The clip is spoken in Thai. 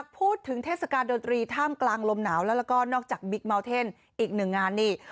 เทศกาลดนตรีท่ามกลางลมหนาวแล้วก็นอกจากบิ๊กเมาเทนอีกหนึ่งงานนี่